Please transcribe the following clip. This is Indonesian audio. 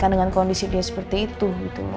dengan kondisi dia seperti itu